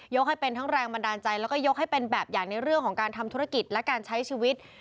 ให้เป็นทั้งแรงบันดาลใจแล้วก็ยกให้เป็นแบบอย่างในเรื่องของการทำธุรกิจและการใช้ชีวิต